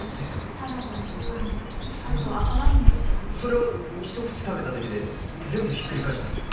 サラダとパンあと赤ワインでしたそれを一口食べただけで全部ひっくり返したんですか？